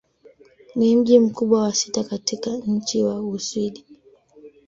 Ni mji mkubwa wa sita katika nchi wa Uswidi.